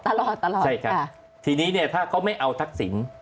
ตลอดค่ะใช่ค่ะทีนี้เนี่ยถ้าเขาไม่เอาทักศิลป์